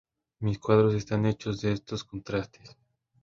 Mis cuadros están hechos de estos contrastes".